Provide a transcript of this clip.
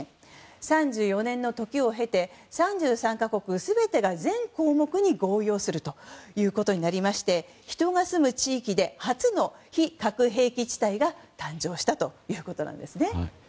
２００２年３４年の時を経て３３か国全てが全項目に合意をするということになりまして人が住む地域で初の非核兵器地帯が誕生したということなんです。